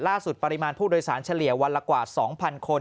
ปริมาณผู้โดยสารเฉลี่ยวันละกว่า๒๐๐คน